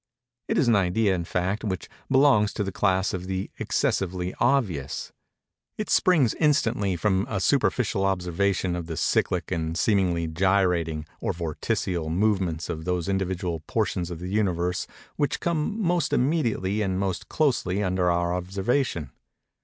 It is an idea, in fact, which belongs to the class of the excessively obvious. It springs, instantly, from a superficial observation of the cyclic and seemingly gyrating, or vorticial movements of those individual portions of the Universe which come most immediately and most closely under our observation.